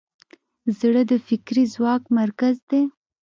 زړه د فکري ځواک مرکز دی.